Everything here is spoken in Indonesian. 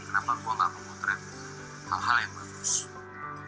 dan kenapa saya tidak memotret hal hal yang bagus